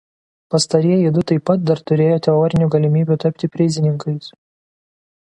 Pastarieji du taip pat dar turėjo teorinių galimybių tapti prizininkais.